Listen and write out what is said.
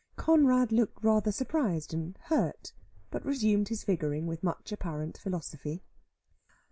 Conrad looked rather surprised and hurt, but resumed his figuring with much apparent philosophy.